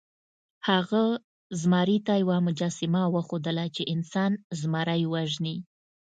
هغه زمري ته یوه مجسمه وښودله چې انسان زمری وژني.